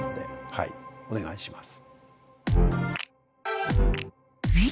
はいお願いします。